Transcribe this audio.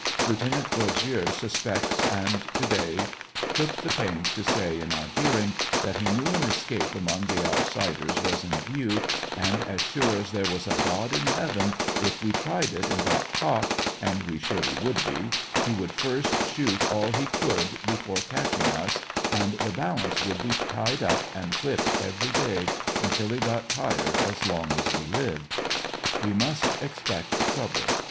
Lieut. Bos sieux suspects, and to day took the pains to say in our hearing that he knew an escape among the outsiders was in view, and as sure as there was a God in heaven if we tried it and got caught, and we surely would be, he would first shoot all he could before catching us, and the balance would be tied up and whipped every day until he got tired, as long as we lived. We must expect trouble.